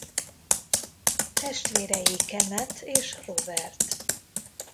Testvérei Kenneth és Robert.